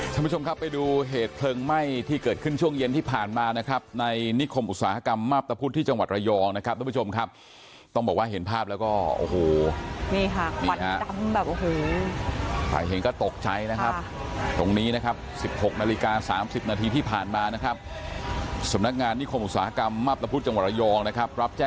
ท่านผู้ชมครับไปดูเหตุเพลิงไหม้ที่เกิดขึ้นช่วงเย็นที่ผ่านมานะครับในนิคมอุตสาหกรรมมาบตะพุทธิ์จังหวัดระยองนะครับท่านผู้ชมครับต้องบอกว่าเห็นภาพแล้วก็โอ้โหนี่ค่ะควันกล้ำแบบโอ้โหแต่เห็นก็ตกใจนะครับตรงนี้นะครับสิบหกนาฬิกาสามสิบนาทีที่ผ่านมานะครับสำนักงานนิคมอุตสาหกรรมมา